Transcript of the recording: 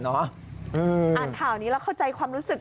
อ่านข่าวนี้แล้วเข้าใจความรู้สึก